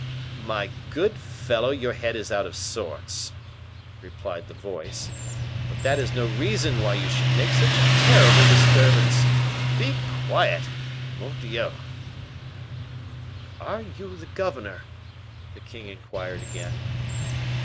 "My good fellow, your head is out of sorts," replied the voice; "but that is no reason why you should make such a terrible disturbance. Be quiet; mordioux!" "Are you the governor?" the king inquired again.